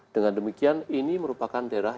dengan demikian ini merupakan daerah